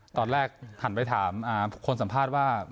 ตอนแรกหันไปถามคนสัมภาษณ์ว่า